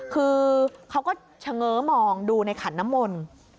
คือเขาก็เฉง้อมองดูในขันน้ำมนต์